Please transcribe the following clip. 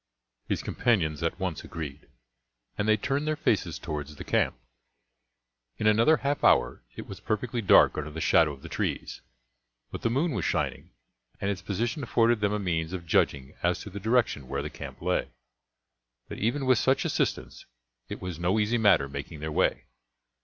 His companions at once agreed, and they turned their faces towards the camp. In another half hour it was perfectly dark under the shadow of the trees, but the moon was shining, and its position afforded them a means of judging as to the direction where the camp lay. But even with such assistance it was no easy matter making their way.